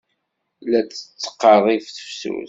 La d-tettqerrib tefsut.